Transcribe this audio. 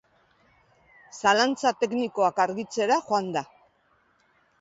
Zalantza teknikoak argitzera joan da.